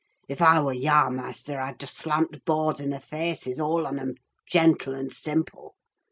"If I war yah, maister, I'd just slam t' boards i' their faces all on 'em, gentle and simple!